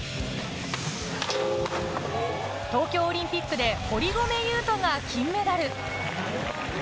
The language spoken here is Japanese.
東京オリンピックで堀米雄斗が金メダル。